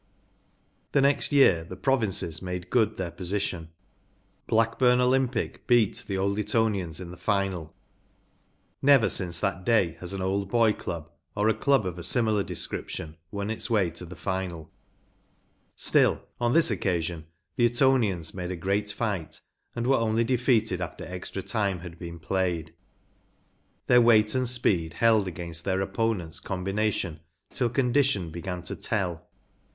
The next year the provinces made good their position. Blackburn Olympic beat the Vol. xxiiL‚ÄĒ6S Old Etonians in the final. Never since that day has an Old Boy club, or a club of a similar description, won its way to the final Still on this occasion the Etonians made a great fight, and were only defeated after extra time had been played. Their weight and speed held against their opponents* combina¬ tion till condition began to tell.